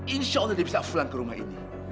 insya allah dia bisa pulang ke rumah ini